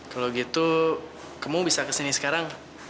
kalau gitu kamu bisa kesini sekarang